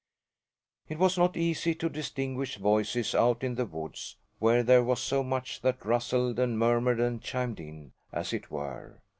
It was not easy to distinguish voices out in the woods, where there was so much that rustled and murmured and chimed in, as it were.